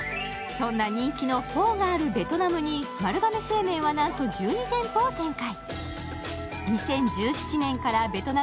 そんな人気のフォーがあるベトナムに丸亀製麺はなんと１２店舗を展開。